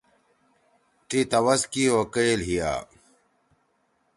تی توس کیو کئیل ہیا۔